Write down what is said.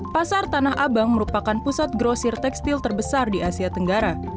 pasar tanah abang merupakan pusat grosir tekstil terbesar di asia tenggara